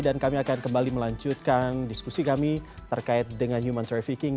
dan kami akan kembali melanjutkan diskusi kami terkait dengan human trafficking